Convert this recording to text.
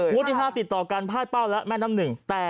ที่๕ติดต่อกันพาดเป้าและแม่น้ำหนึ่ง